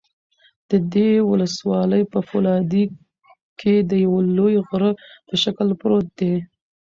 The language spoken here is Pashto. د دې ولسوالۍ په فولادي کې د یوه لوی غره په شکل پروت دى